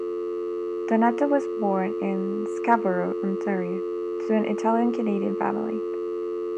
Donato was born in Scarborough, Ontario, to an Italian Canadian family.